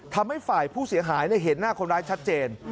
ทำให้ฝ่ายผู้เสียหายเห็นหน้าคนร้ายชัดเจน